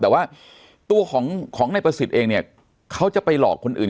แต่ว่าตัวของนายประสิทธิ์เองเนี่ยเขาจะไปหลอกคนอื่น